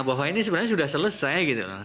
bahwa ini sebenarnya sudah selesai